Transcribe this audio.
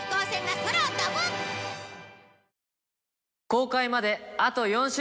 公開まであと４週！